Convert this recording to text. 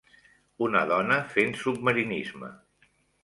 Una dona fent submarinisme